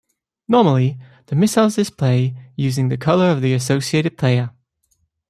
Normally the Missiles display using the color of the associated Player.